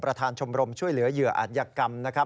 ชมรมช่วยเหลือเหยื่ออัธยกรรมนะครับ